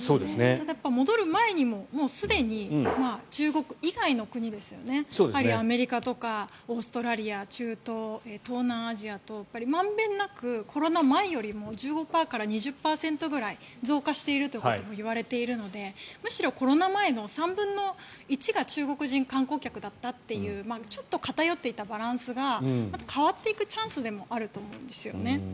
ただ、戻る前にももうすでに中国以外の国ですよねやはりアメリカとかオーストラリア中東、東南アジア等満遍なくコロナ前よりも１５％から２０％ぐらい増加しているということもいわれているのでむしろコロナ前の３分の１が中国人観光客だったというちょっと偏っていたバランスが変わっていくチャンスでもあると思うんです。